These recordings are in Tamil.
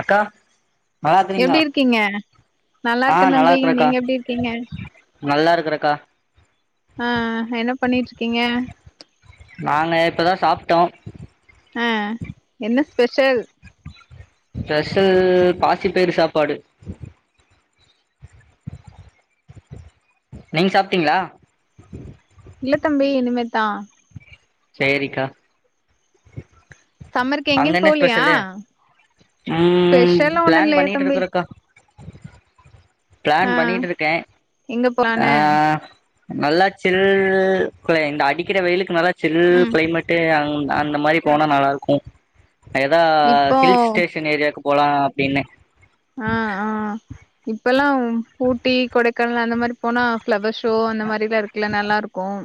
அக்கா நல்லா இருக்கறீங்களா எப்டி இருக்கீங்க நல்லா ஆ இருக்கே தம்பி இருக்கறக்கா நீங்க எப்டிருக்கீங்க நல்லா இருக்கறக்கா ஆஹ் என்ன பண்ணிட்ருக்கீங்க நாங்க இப்பதா சாப்ட்டோ அ என்ன ஸ்பெஷல் ஸ்பெஷல் பாசிப்பயரு சாப்பாடு நீங் சாப்ட்டீங்ளா இல்ல தம்பி இனிமேத்தா சேரிக்கா சம்மருக்கு எங்கயு அங்கென்ன போலையா ஸ்பெஷலு உம் ஸ்பெஷல்லா ஒண்ணு பிளான் இல்லையே தம்பி பண்ணிட்ருக்கறக்கா ஆ பிளேன் பண்ணிட்ருக்கே எங்க அ போலான்னு நல்லா சில் குள இங்க அடிக்கற வெயிலுக்கு நல்லா சில் ம் கிளைமேட்டு அங் நா இந்த மாரி போனா நல்லாருக்கூ அ ‌எதா இப்போ ஹில்ஸ் டேஷன் ஏரியாக்குப் போலா அப்டின்னு அ அ‌ இப் ப்பெல்லாம் ஊட்டி கொடைக்கானல் அந்த மாரி போனா ஃபிளவர்ஸ் ஷோ அந்த மாரிலா இருக்குல நல்லா இருக்கும்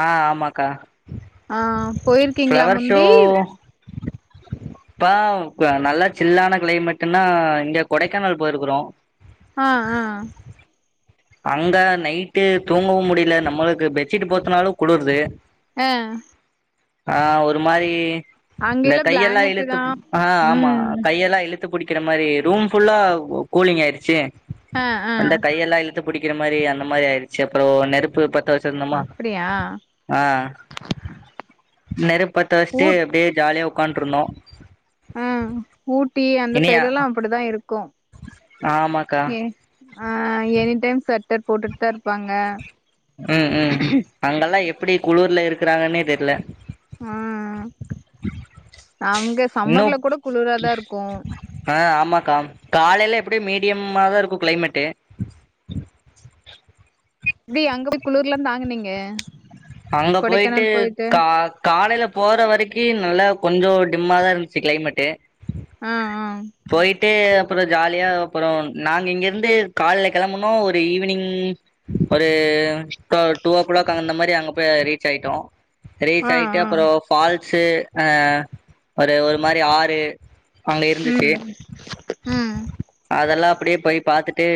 ஆஹ் ஆமாக்கா ஆ போயிருக்கீங்களா ப்ளவர் ஷோ முந்தி இப்ப நல்லா சில்லான கிளைமேட்டுன்னா இங்க கொடைக்கானல் போயிருக்கிறோ ஆஹ் ஆஹ் அங்க நைட்டு தூங்கவு முடியல நம்மளுக்கு பெட்ஷீட் போத்துனாலு குளுருது ஆஹ் ஆஹ் ஒரு மாரி இந்த அங்கெல்லா கையெல்லா பிளாங்கெட்டு இழுத்து தா ஆஹ் ஆமா ம் கையெல்லா இழுத் த்து புடிக்கிற மாரி ரூம் புல்லா கூ கூலிங் ஆயிடுச்சு ஆஹ் ஆஹ் ழுத்து புடிக்கிற மாரி அந்த மாரி ஆயிடுச்சு அப்பறோ நெருப்பு பத் வச்சிருந்தமா அப்டியா ஆஹ் நெருப் பத்த வச்சிட்டு அப்டியே ஜாலிய உ உக்காண்டிருந்தோ ஆஹ் ஊட்டி அந்த சைடு எல்லா அப்டித்தா இருக் கு ஆமாக்கா எ ஆ எனி டைம் சொ ட்டர் போட்டுட்டு தா இருப்பாங்க உம் உம் அங்கெல்லா எப் ப்டி குளர்ல இருக்கிறாங்கன்னே தெர்ல ம் அங்க இன்னு சம்மர்ல கூட குளிராதா இருக்கு ஆஹ் ஆமாக்கா காலையில எப்படியு மீடியமாதா இருக்கு கிளைமேட்டு எப்டி அங்க போய் குளூர்லா தாங்கனிங்க அங்க போயிட்டு கா காலையில போற வரைக்கி நல்லா கொஞ்சம் டிம்மாதா இருந்துச்சு கிளைமேட்டு ஆஹ் ஆஹ் இட்டு அப்பறோ ஜாலியா அப்புறோ நாங்க இங்கிருந்து காலைல கிளம்பனோ ஒரு ஈவினிங் ஒரு டூ டூ ஓ கிளாக் அந்த மாரி அங்க ப்ப ரீச் ஆயிட்டோ ரீச் ஆ ஆயிட்டு ஆ அப்பறோ ஃபால் சே அ ஒரு ஒரு மாரி ஆறு அங்க இருந்துச்சு ம் ம் அதெல்லா அப்டியே போய் பாத்துட் டே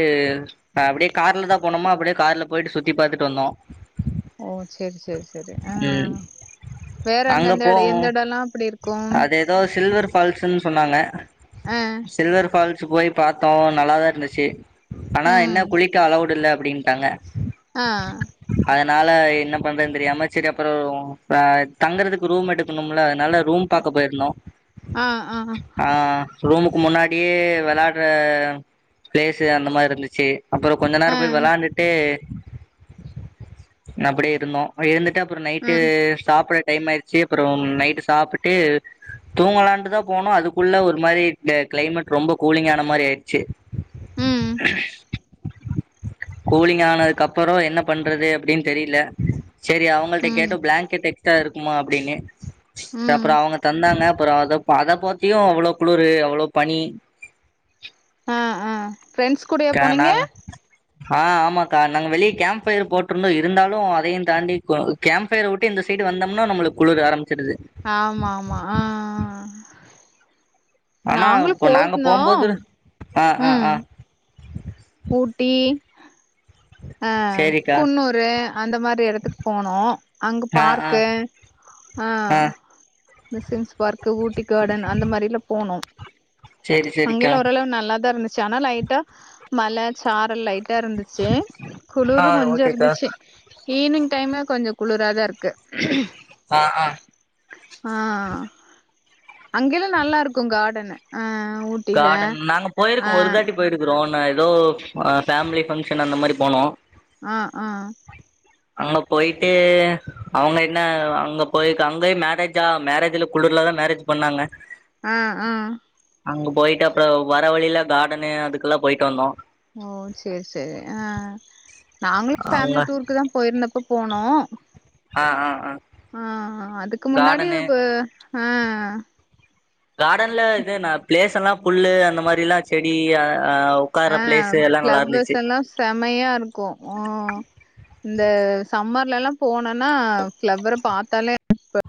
அப்டியே கார்ல தா போனோம் அப்டியே கார்ல போயிட்டு சுத்தி பாத்துட்டு வந்தோ ஓ செர் செர் செரி ஆ ம் வேற அங்க எந்த எட எந்த எடலா அப்டி இருக்கும் அது ஏதோ சில்வர் ஃபால்ஸ்ன்னு ஆ ஸ் போய் பாத்தோ நல்லாதா இருந்துச்சு ஆனா என்ன ம் குளிக்க அளவுடுல்ல அப்டின்ட்டாங்க ஆ னால என்னம் பண்றதுன் தெரியாம சரி அப்பறோ அ தங்கறதுக்கு ரூம் எடுக்குணும்ல அதனால ரூம் பாக்க போயிருந்தோ ஆ ஆ ஆ ரூம்க் முன்னாடியே வெளாட்ற ப்ளேசு அந்த மாரி இருந்துச்சு அப்பற கொஞ்ச ஆ நேர போயி வெளாண்டுட்டு அப்படியே ருந்தோ இருந்துட்டு அப் புற நைட்டு ம் சாப்புட டைம் ஆயிருச்சு அப்பறோ நைட்டு சாப்புட்டு தூங்லாண்ட்டுதா போனோ அதுக்குள்ள ஒரு மாரி க் கிளைமேட் ரொம்ப கூலிங் ஆன மாரி ஆயிடுச்சு ம் கூலிங் ஆனதுக்கப்பற என்ன பண்றது அப்படினு தெரில செரி அவ்ங்கள்ட்ட ம் கேட்டு பிளாங்கெட்ட தா இருக்குமா அப்டின்னு ம் அப்றோ அவ்ங்க தந்தாங்க அப்பற அதப் ப அதப் போத்தியு அவளோ குளிரு அவ்ளோ பனி ஆஹ் ஆஹ் ஃப்ரெண்ட்ஸ் கூடயா போனீங்க ஆஹ் ஆமாக்கா நாங்க வெளிய கேம்ப்ஃபயரு போட்ருந்தோ இருந்தாலு அதையு தாண்டி கொ கேம்ஃபயர விட்டு இந்த சைடு வந்தம்னா நம்மளுக்கு குளுரு ஆரம்மிச்சிருது ஆமா ஆமா ஆஹ் ஆஹ் ஆனா இப்ப நாங்க போம்போது ஆஹ் ஆஹ் ஆஹ் பூட்டி ஆஹ்வ் சேரிக்கா குன்னூரு அந்த மாரி எடத்துக் போனோ அங்க ஆ ஆ பார்க்கு ஆ ஆஹ் இந்த சிம்ஸ் பார்க்கு ஊட்டி கார்டன் அந்த மாரிலா போனோ சேரி சேரிக்கா அங்கைலா ஓரளவு நல்லாதா இருந்துச் சண லைட்டா மழ சாரல் லைட் ட்டாருந்துச்சு ஆ குளிரு கொஞ்ச ஓகேக்கா இருந்துச்சு ஈவி்னிங் டைமே கொஞ்ச குளுரா தா இருக்கு ஆ ஆ ஆஹ் அங்கெல்லா நல்லா இருக்கு காடனு ஆஹ் காடன் நாங்க போயிருக்கோ ஒரு தாட்டி போயிருக்கறோ [unintelligible] எதோ அ ஃபேம்லி ஃபங்க்ஷன் அந்த மாரி போனோ ஆஹ் ஆஹ் அங்க போயிட்டு அவுங்க என்ன அங்க போய் அங்கயு மேரேஜா மேரேஜ்ல குளிர்லதா மேரேஜ் பண்ணாங்க ஆஹ் ஆஹ் அங்க போயிட்டு அப்புறம் வர்ர வழியில கார்டனு அதுக்கெல்லா போயிட்டு வந்தோ ஓ சேர் சேரி ஆஹ் நாங்களு அங்க ஃபேமிலி டூருக்குதா போயிருந்தப்ப போனோ ஆ ஆ ஆ ஆஹ் அதுக்கு முன்னாடி கார்டனு இப்ப ஆஹ் கார்டன்ல இது நா பிளேஸ் எல்லா புல்லு அந்த மாரியெல்லா செடி அ உக்கார்ற அஹ் பிளேஸு எல்லா நல்லா ஃபிளவர்ஸ் இருந்துச்சு எல்லா செமயா இருக்கு உம் இந்த சம்மர் ல்லலா போனனா ஃபிளவர பார்த்தாலே டுப்ப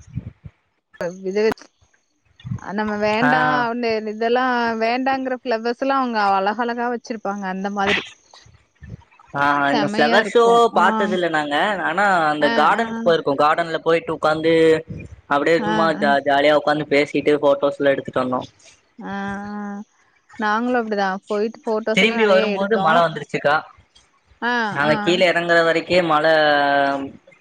விஜய் நம்ம ஆ வேண்டானு இதெல்லா வேண்டாங்கற ஃப்ளவர்ஸ் ல அவங்க அழகழகா வெச்சிருப் ஆஹ் இந்த செமையா ஃப்ளவர் ஷோ இருக்கு ஆ பாத்தது இல்ல நாங்க ஆனா அந்த ஆ ஆ கார்டனுக்கு போயிருக்கோ கார்டன்ல போயிட்டு உக்காந்து அப்டியே ஆ சுமா ஆ ஜா ஜாலியா உக்காந்து பேசிட்டு போட்டோஸ்ல்லா எடுத்துட்டு வந்தோ ஆஹ் நாங்களு அப்படிதா திரும்பி வரும்போது மழ வந்துருச்சுக்கா ஆ நாங்க ஆ கீழ இறங்கற வரைக் கே மழ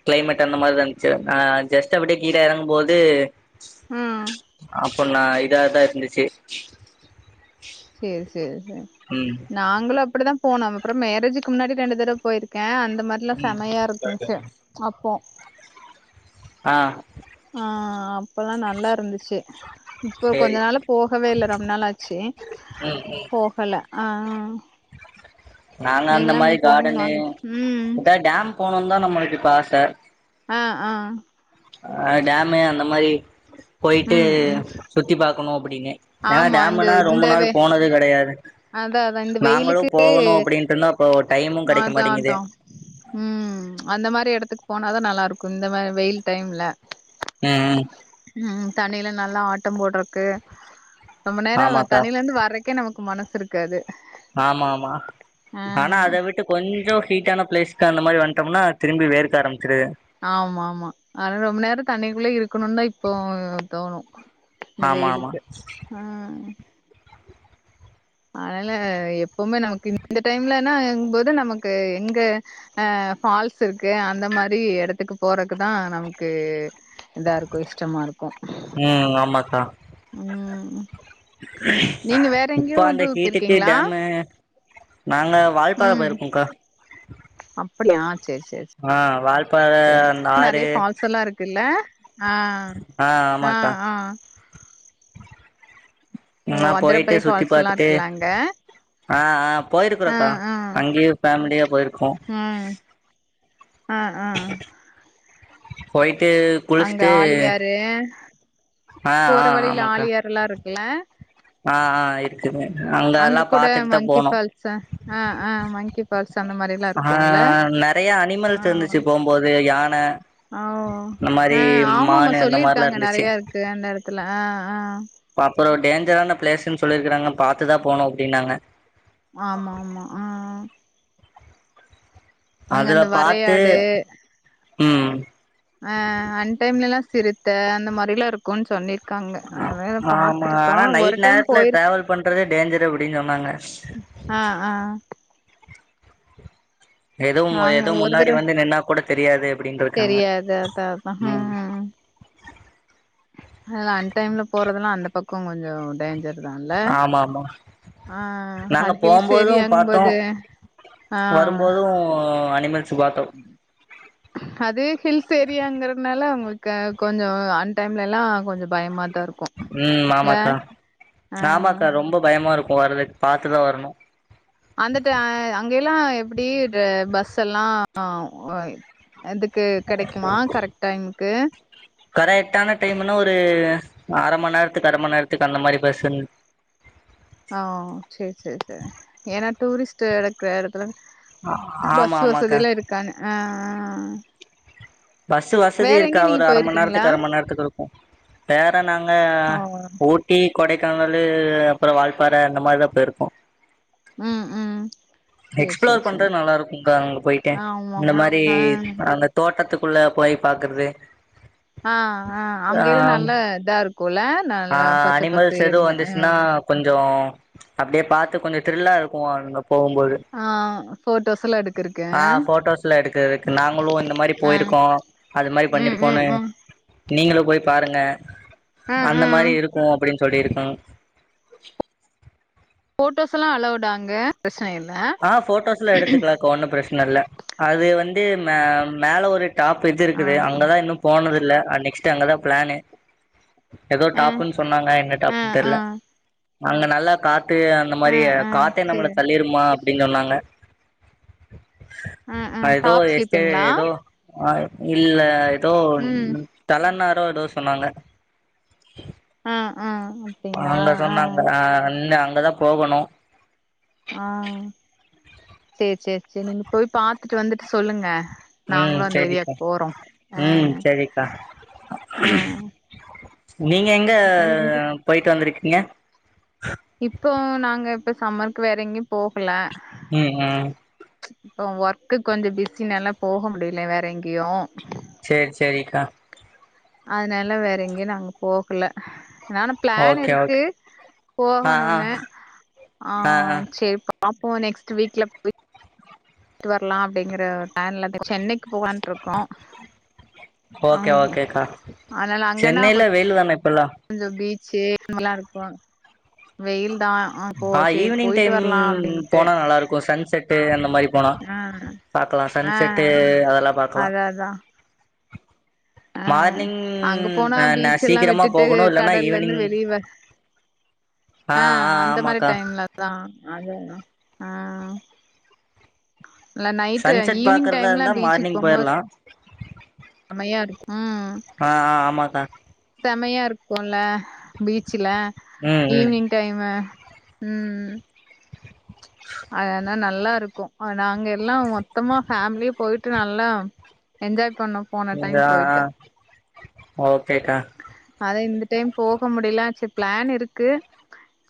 கிளைமேட் அந்த மாதிரிதா இருந்துச்சு நா ஜஸ்ட் அப்டியே கீழே இறங்கும்போது உம் பொண்ணா இதாதா இருந்துச்சு சேர் சேர் ம் நாங்களு அப்படிதா போனம் அப்புறம் மேரேஜுக்கு முன்னாடி ரெண்டு தடவ போயிருக்க அந்த மாரில்லா ம் செமயா இருக்கும்ச்சு அப் போ ஆ ஆ அப்பல்லா நல்லா இருந்துச்சு இப்போ கொஞ்ச சேரி நாளா போகவே இல்ல ரொம்ப நாள் ஆச்சு ம் ம் போகல ஆ அ நாங்க அந்த மாரி கார்டனு ம் எதா டேம் போனனுதா நம்மளுக்கு இப்ப ஆச அ ஆ ஆ டேமு அந்த மாரி போயிட்டு ம் ம் சுத்தி பாக்கணு அப்டின்னு ஏன்னா ஆமா இந்த டேம்ன்னா ரொம்ப இந்த வெ நாள் போனது கிடையா அதா அதா இந்த வெயிலுக்கு அப்டின்ட்டு இருந்தா அப்போ டைமு கெடைக்க அதா மாட்டேங்குது அதா ம் அந்த மாரி எடத்துக் போனாதா நல்லா இருக் குந்த மா வெயில் டைம் ல ம் ம் உம் தண்ணியிலன் நல்லா ஆட்டம் போட்றக்கு ரொம்ப நேர ஆமாக்கா தண்ணில இருந்து வர்றக்கே நமக்கு மன த்ருக்காது ஆமா ஆமா ஆனா அத விட்டு கொஞ்சோ ஹீட்டான பிளஸ்க்க அந்தமாரி வன்ட்டோம்னா திரும்பி வேரு கார ஆர ஆமா ஆமா அதனால ரொம்ப நேரோ தண்ணிக்குள்ள இருக்கணும்ன்னை ப்போ தோணு இந்த ஆமா ஆமா வெயிலுக்கு ஆ அதனால எப்பமே நமக்கு இன் இந்த டைம்லனா இங்போது நமக்கு எங்க ஆ ஃபால்ஸ் இருக்கு அந்த மாரி எடத்துக்கு போறக்குதா நம்க்கு இதா இருக்கு இஷ்டமா இருக்கு உம் ஆமாக்கா ம் நீங்க வேற இப்ப எங்கேயு அந்த டூர் ஹீட்டுக்கு போயிருக்கீங்களா டேமு நாங்க வால்ப்பாற போய்ர்க்கும்க்கா அப்டியா ஆ வால்ப் ச நெறய ஃபால்ஸ் எல்லா இருக்குல்ல ஆ ம் ஆ அ ஆமாக்கா ஆ ஓ நா போயிட்டு அத்ரபல்லி சுத்தி ஃபால்ஸ் எல்லா பாத்துட்டு இருக்குலா அங்க ஆ ஆ ஆ போயிருக்கோறக்கா ஆ அங்கேயு ஃபேமிலியா போயிருக்கோ ம் ஆ ஆ போய்ட் டு அங்க குளிச்சிட்டு ஆழியாறு போற வழியில ஆலழியரல்லா இருக்கல ஆ ஆ இருக்குது எல்லா அங்க கூட பாத்துட்டு தா மங்கி போனோ ஃபால்ஸ் ஆ ஆ மங்கி ஃபால்ஸ் அந்த மாரி எல்லா ஆ இருக்குல்ல நெறையா ஆ அனிமல்ஸ் இருந்துச்சு போம்போது யா ன ஓ ஆஹ் ஆமாமா மானு அந்த மாரிலா சொல்லிருக்காங்க நெறைய இருக்கு அந்த எட த்துல ஆஹ் அப்பறோ டேஞ்ஜரான பிளேஸ்ன் சொல்லிருக்கறாங்க பாத்து தா போனு அப்டின்னாங்க ஆமாமா ஆஹ் அதுல அந்த பாத்து வரையாடு ம் ஆ அன் டைம்லல்லா சிறுத்த அந்த மாரில்லா இருக்குன் சொன்னிருக் அ ஆமா ஆனா ஒரு நைட் டைம் நேரத்துல போயிருக் ட்ராவல் பண்றதே டேஞ்சரு அப்படின்னு சொன்னாங்க ஆ ஆ எதுவும் நாங்க எதுவு ஒரு முன்னாடி தட வந்து நின்னா கூட தெரியாது அப்படின்ருக்காங்க தெரியாது அதா அதா உம் ஹ அன் டைம்ல போறதெல்லா அந்த பக்க கொஞ்ச டேஞ்ஜர் ஆமாமா நாங்க அது ஹில்ஸ் போம்போதும் பாத்தோ ஏரியாங்கும்போது ஆ வரும்போதும் சு பாத்தோ அது ஹில்ஸ் ஏரியாங்கறனால உங்குளுக்கு கொஞ்ச அன் டைம்ல எல்லா கொஞ்ச பயமா உம் ஆமாக்கா ஆ ஆ ஆமாக்கா ரொம்ப பயமா இருக் வரதுக் பாத்துதா வரணு அந்த து அங்கெயல்லா எப்புடி து பஸ்செல்லா ஆ ஓ இதுக்கு கெடைக்குமா கரெக்ட் டைமுக்கு கரெக்டான டைம்ன்னா ஒரு அர மண் நேரத்துக்கு அர மண் நேரத்துக்கு அந்த மாரி பஸ்ஸிருந் ஹ சேரி சேரி சேர் ஏன்னா டூரிஸ்ட் இருக்க எட த்துல ஆ ஆமா பஸ் வசதி ஆமாக்கா எல்லா இருக்கான் ஆஹ் பஸ்சு வசதி இருக்கா ஒரு நீங்க அர மண் போயிருக்கீங்களா நேரத்துக்கு அர மண் நேரத்துக்கு இருக்கு. வேற நாங்க ஓ ஊட்டி கொடை கானலு அப்பறோ வால்ப்பாற அந்த மாரிதா போயிருக்கோ. ம் ம் சேரி எக்ஸ்பிளோர் சேரி சேரி பண்றது நல்லா இருக்குங்க்கா அங்க போய்ட்டு ஆமா இந்த மாரி ஆமா. அந்த தோட்டத்துக் குள்ள போயி பாக்கறது ஆஹ் ஆஹ் அங்கைல்லா நல்ல இதா இரு ஆஹ் அனிமல்ஸ் எது ஆ வந்துச்சுன்னா கொஞ்சோ அப்டியே பாத்து கொஞ்சோ திரில்லா இருக்கு அங்க போம்போது ஆ போட்டோஸ் எல்லா எடுக்குறக்கு ஆ ஃபோட்டோஸ்லா எடுக்கறதுக்கு நாங்களு அந்த மாரி ஆ போயிருக்கோ அது மாரி ம் ம் பண்ணிருக்கோனு ம் நீங்களு போய் பாருங்க ஆ அந்த ஆ மாரி இருக்கு அப்டின் சொல்லிருக்கோ ஃபோட்டோஸ் எல்லா அலவ்டா அங்க பிரச்சன இல்ல ஆ ஃபோட்டோஸ்லா எடுத்துக்லாக்க ஒன்னு ப்ரச்சன இல்ல அது வந் து மே மேல ஒரு டாப் இது ஆ இருக்குது அங்கதா இன்னு போனது இல்ல ஆ நெக்ஸ்ட்டு அங்கதா ப்ளான்னு ஏதோ ம் ம் டாப்புன் சொன்னாங்க எங்க ஆ டாப்புன் ஆ தெர்ல அங்க நல்லா காத் து அந்த ஆ மாரி ஆ காத்தே நம்மள சேரி தள்ளிரும்மா அப்டின் சொன்னாங்க ஆ ஆ அ எதோ டாப் எஸ்ஸு ஸ்லிப்புங்களா எதோ ஆ இல்ல எதோ ம் தெலென்னா தோ எதோ சொன்னாங்க ஆ ஆ அப்டிங்களா அங்க ஆ சொன்னாங்க அ அந்த அங் ங்க தா போகணு ஆ செர் செரி செரி நீங்க போய் பாத்துட்டு வந்துட்டு சொல்லுங்க ம் நாங்களு அந்த சேரிக்கா ஏரியாக்கு போறோ அ ம் சேரிக்கா அ நீங்க எங்க போயிட்டு வந்துருக்கு ஏ இப்போ நாங்க இப்ப சம்மருக்கு வேற எங்கேயும் போகல ம் ம் இப்போ வர்க்கு கொஞ்சோ பிஸினால போக முடில வேற எங்கியு செரி செரிக்கா அதனால வேற எங்கயு நாங்க போகுல னான்னு பிளான் ஓகே இருக்கு ஓகே ஆ ஆ போகணுன்னு ஆ செரி பாப் போ நெக்ஸ்ட் வீக்ல போய் போய்ட்டு வர்லா அப்டிங்ற ப்ளான்ல சென்னைக் குவான்ட்ருக்கோ அ ஓகே ஓகேக்கா அதனால அங்கன்னா கொ சென்னையில வெயில் தான இப்பல்லா கொஞ்சோ பீச் [unintelligible] இருக்குவாங் வெயில் தா போ ஆ சேரி ஈவினிங் போயிட்டு டைம் வரலா அப்டின்ட்டு போனா நல்லாருக்கு சன்செட்டு அந்த மாரி போனா ஆ பாக்கலா ஆ சன்செட்டு அதெல்லா பாக்கலா அதா அதா ஆ மார்னிங் அங்க போனா ஆ நா பீச்செல்லா சீக்கிரமா விட்டுட்டு போகணு இல்லன்னா கடல்ல இருந்து ஈவினிங் வெளியவ ஆ அந்த மாரி டைம்லதா அதுதா ஆ இல்ல நைட்டு சன்செட் ஈவினிங் பாக்குறதா டைம்ல இருந்தா மார்னிங் போயரலா செமையாருக் ஆ ஆ ஆமாக்கா செமையா இருக்குல்ல பீச்சுல ம் ம் ஈவ்னிங் டைம் ம் அதனா நல் நல்லாருக்கு ஆனா அங்க எல்லா வ மொத்தமா ஃபேமிலே போய்ட் ட்டு நல்லா என்ஜாய் பண்ணோ போன டைம் [unintelligible] அ போயிட்டு அ ஓகேக்கா டேம் போக முடிலாச்சு ப்ளான் இருக்கு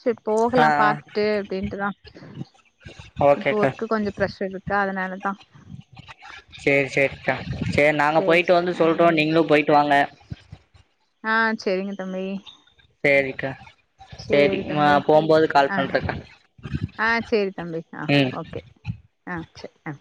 செரி ஆ போகலா ஆ பாத்துட்டு அப்டின்ட்டுதா இப்போ ஒர்க்கு கொஞ்சோ ப்ரெஷர் இருக்குா அதனால தா செரி செரிக்கா செரி நாங்க சேரி போய்ட்டு வந்து சொல்றோ சேரி நீங்ளு போய்ட்டு வாங்க ஆ செரிங்க தம்பி சேரிக்கா சேரி தம்பி போம்போது கால் ஆ பண்றக்கா ஆ செரி தம்பி ஆ ம் ஓகே ஆ செரி ஆ